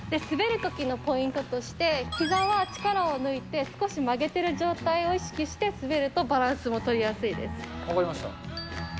滑るときのポイントとして、ひざは力を抜いて、少し曲げている状態を意識して滑ると、分かりました。